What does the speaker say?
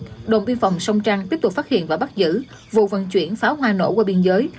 đồng biên phòng sông trăng tiếp tục phát hiện và bắt giữ vụ vận chuyển pháo hoa nổ qua biên giới